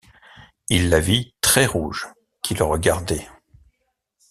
Il la vit très-rouge, qui le regardait.